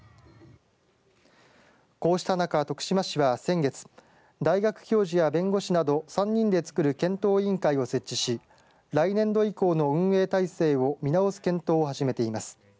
こうした中、徳島市は先月大学教授や弁護士など３人でつくる検討委員会を設置し来年度以降の運営体制を見直す検討を始めています。